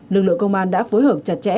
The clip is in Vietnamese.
lực lượng công an đã phối hợp chặt chẽ